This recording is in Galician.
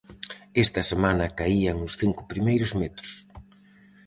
Esta semana caían os cinco primeiros metros.